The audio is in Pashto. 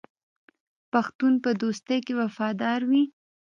پښتون په دوستۍ کې وفادار وي.